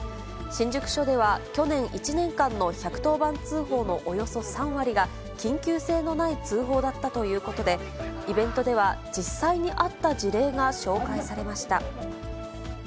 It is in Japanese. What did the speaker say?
新宿署では去年１年間の１１０番通報のおよそ３割が緊急性のない通報だったということで、イベントでは実際にあった事例が紹介されました。